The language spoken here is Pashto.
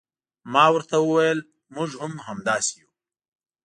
زه ورته وویل موږ هم همداسې یو.